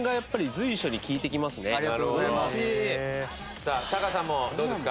さあタカさんもどうですか？